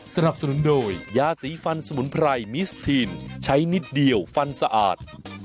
สนับสนุนโดยยาสีฟันสมุนไพรมิสทีนใช้นิดเดียวฟันสะอาด